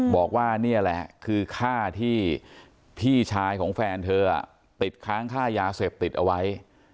บอกว่านี่แหละคือค่าที่พี่ชายของแฟนเธอติดค้างค่ายาเสพติดเอาไว้